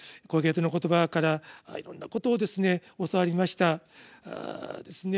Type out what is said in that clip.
「コヘレトの言葉」からいろんなことを教わりました。